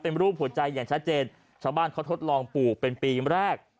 เป็นรูปหัวใจอย่างชัดเจนชาวบ้านเขาทดลองปลูกเป็นปีแรก